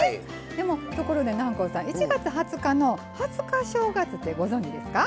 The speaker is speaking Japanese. ところで南光さん１月２０日二十日正月ってご存じですか？